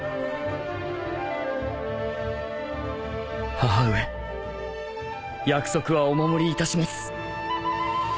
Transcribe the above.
母上約束はお守りいたします